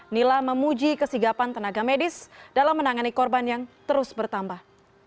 nila memuji kesigapan tenaga medis dalam menangani korban yang terus bertambah